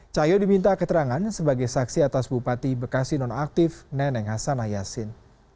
cahayu diminta keterangan sebagai saksi atas bupati bekasi nonaktif neneng hasan ayasin